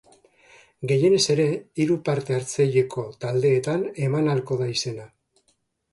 Gehienez ere hiru parte hartzaileko taldeetan eman ahalko da izena.